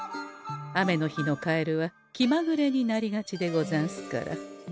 雨の日のカエルは気まぐれになりがちでござんすから。